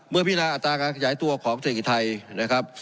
พินาอัตราการขยายตัวของเศรษฐกิจไทยนะครับ